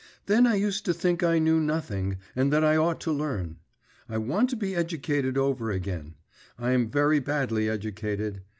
… Then I used to think I knew nothing, and that I ought to learn. I want to be educated over again; I'm very badly educated.